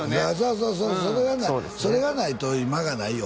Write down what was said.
そうそうそうそれがないと今がないよ